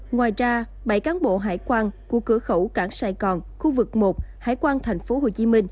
ngoài ra bảy cán bộ hải quan của cửa khẩu cảng sài gòn khu vực một hải quan tp hcm